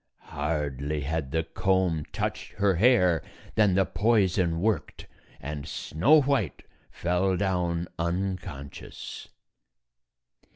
Hardly had the comb touched her hair than the poison worked, and Snow White fell down un conscious.